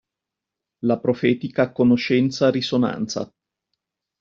La profetica conoscenza-risonanza.